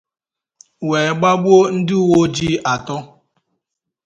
wee gbagbuo ndị uweojii atọ